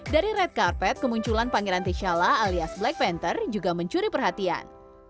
dari red carpet kemunculan pangeran tishala alias black panther juga mencuri perhatian